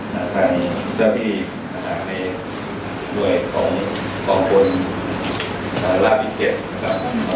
ในวิทยาลักษณ์พิธีอาหารในด้วยของ๒คนล่าวิทยาลักษณ์